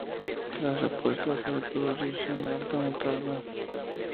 Tras la puesta suele producirse una alta mortandad.